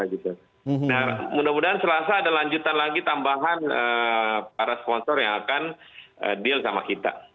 nah mudah mudahan selasa ada lanjutan lagi tambahan para sponsor yang akan deal sama kita